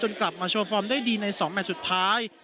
กลับมาโชว์ฟอร์มได้ดีใน๒แมทสุดท้าย